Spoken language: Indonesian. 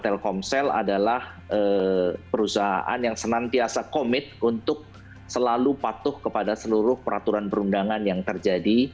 telkomsel adalah perusahaan yang senantiasa komit untuk selalu patuh kepada seluruh peraturan perundangan yang terjadi